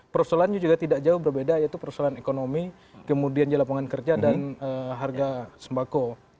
persoalannya juga tidak jauh berbeda yaitu persoalan ekonomi kemudian di lapangan kerja dan harga sembako